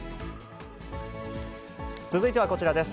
続いてはこちらです。